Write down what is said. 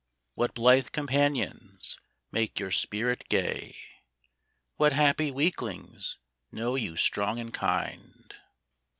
What blithe companions make your spirit gay, What happy weaklings know you strong and kind?